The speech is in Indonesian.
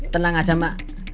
tenang aja mak